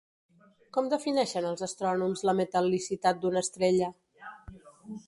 Com defineixen els astrònoms la metal·licitat d'una estrella?